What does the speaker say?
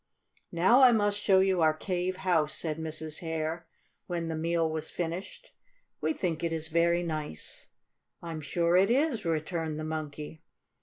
"Now I must show you our cave house," said Mrs. Hare, when the meal was finished. "We think it is very nice." "I'm sure it is," returned the Monkey.